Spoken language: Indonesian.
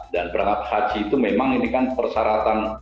dan berangkat haji itu memang ini kan persyaratan